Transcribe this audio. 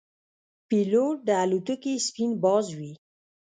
پیلوټ د الوتکې سپین باز وي.